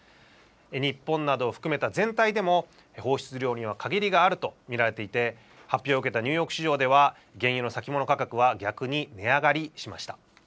日本などを含めた全体でも、放出量には限りがあると見られていて、発表を受けたニューヨーク市場では、原油の先物価格は逆に値上がりしました。